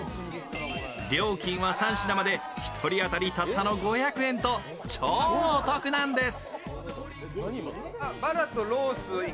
料金は３品まで１人当たりたった５００円と超お得なんです。